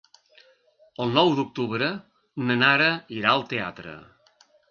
El nou d'octubre na Nara irà al teatre.